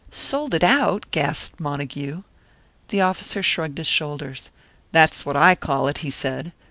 "Sold it out!" gasped Montague. The officer shrugged his shoulders. "That's what I call it," he said.